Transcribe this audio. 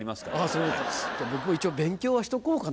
じゃ僕も一応勉強はしとこうかな。